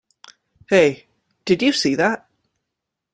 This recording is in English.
Hey! Did you see that?